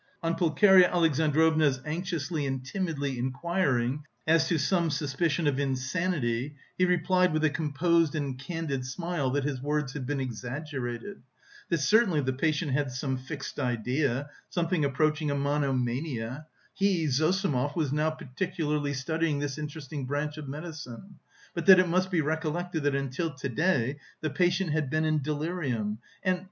On Pulcheria Alexandrovna's anxiously and timidly inquiring as to "some suspicion of insanity," he replied with a composed and candid smile that his words had been exaggerated; that certainly the patient had some fixed idea, something approaching a monomania he, Zossimov, was now particularly studying this interesting branch of medicine but that it must be recollected that until to day the patient had been in delirium and...